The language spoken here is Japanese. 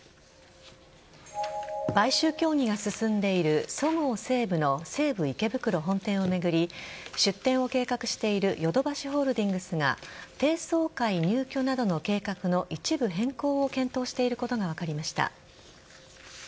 買収協議が進んでいるそごう・西武の西武池袋本店を巡り出店を計画しているヨドバシホールディングスが低層階入居などの計画の一部変更を検討していることが分かりました。